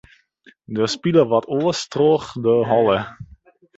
Der spile my wat oars troch de holle.